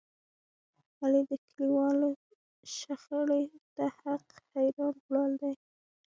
علي د کلیوالو شخړې ته حق حیران ولاړ دی.